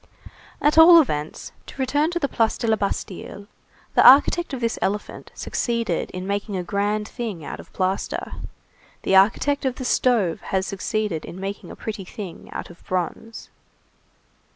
At all events, to return to the Place de la Bastille, the architect of this elephant succeeded in making a grand thing out of plaster; the architect of the stove has succeeded in making a pretty thing out of bronze.